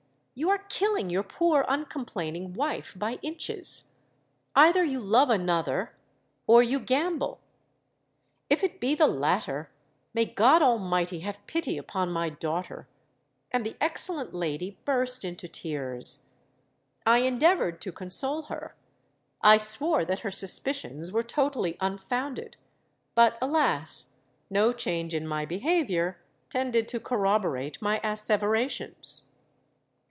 You are killing your poor uncomplaining wife by inches. Either you love another—or you gamble! If it be the latter, may God Almighty have pity upon my daughter!'—And the excellent lady burst into tears. I endeavoured to console her: I swore that her suspicions were totally unfounded:—but, alas! no change in my behaviour tended to corroborate my asseverations.